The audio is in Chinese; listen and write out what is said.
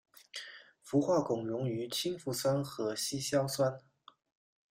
氟化汞溶于氢氟酸和稀硝酸。